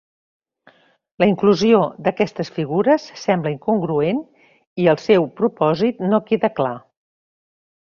La inclusió d'aquestes figures sembla incongruent i el seu propòsit no queda clar.